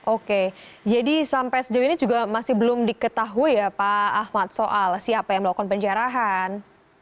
oke jadi sampai sejauh ini juga masih belum diketahui ya pak ahmad soal siapa yang melakukan penjarahan